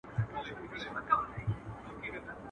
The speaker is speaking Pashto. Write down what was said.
o لکه ازاره، خپله کونه ئې نظر کړه.